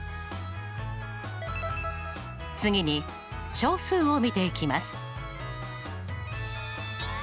次に小数を見ていきます。